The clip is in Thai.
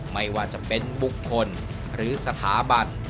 ไม่ว่าจะเป็นบุคคลหรือสถาบัน